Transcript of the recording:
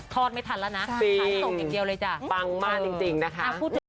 นี่ทอดไม่ทันแล้วนะใช่ส่งอีกเดียวเลยจ้ะฟังมากจริงจริงนะคะ